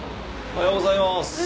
おはようございます。